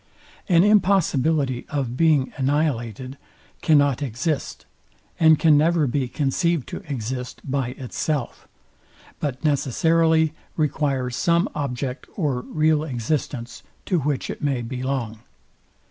An impossibility of being annihilated cannot exist, and can never be conceived to exist, by itself: but necessarily requires some object or real existence, to which it may belong.